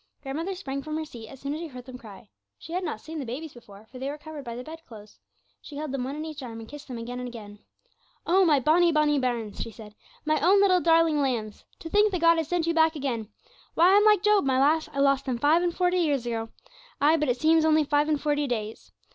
Grandmother sprang from her seat as soon as she heard them cry. She had not seen the babies before, for they were covered by the bed clothes. She held them one in each arm, and kissed them again and again. 'Oh, my bonny, bonny bairns!' she said; 'my own little darling lambs! To think that God Almighty has sent you back again! Why, I'm like Job, my lass; I lost them five and forty years ago; ay, but it seems only five and forty days.